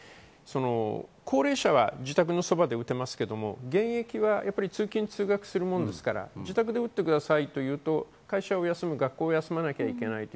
高齢者は自宅のそばで打てますが現役は通勤通学するものですから、自宅で打ってくださいというと、学校や会社を休まなきゃいけません。